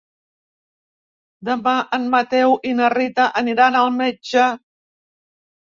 Demà en Mateu i na Rita aniran al metge.